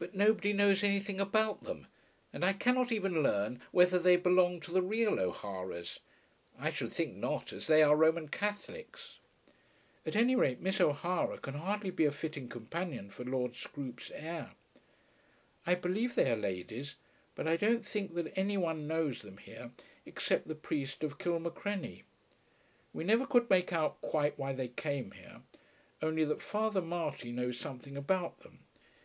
But nobody knows anything about them; and I cannot even learn whether they belong to the real O'Haras. I should think not, as they are Roman Catholics. At any rate Miss O'Hara can hardly be a fitting companion for Lord Scroope's heir. I believe they are ladies, but I don't think that any one knows them here, except the priest of Kilmacrenny. We never could make out quite why they came here, only that Father Marty knows something about them.